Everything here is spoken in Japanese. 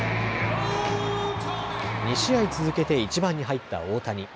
２試合続けて１番に入った大谷。